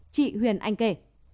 chị huyền anh kể